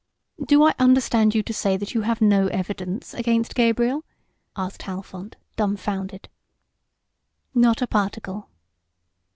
"Do I understand you to say that you have no evidence against Gabriel?" asked Halfont, dumbfounded. "Not a particle."